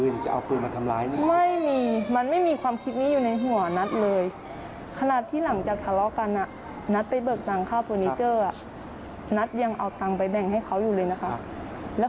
แล้วคือเราเตรียมจะสลองกันอยู่หรือเปล่า